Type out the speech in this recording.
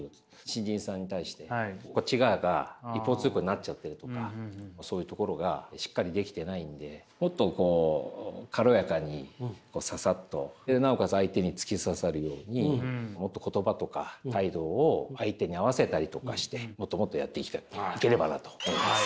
新人さんに対してこっち側が一方通行になっちゃってるとかそういうところがしっかりできてないんでもっとこう軽やかにささっとなおかつ相手に突き刺さるようにもっと言葉とか態度を相手に合わせたりとかしてもっともっとやっていければなと思います。